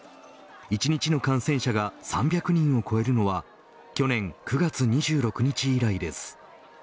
１日の感染者が３００人を超えるのは去年９月２６日以来です。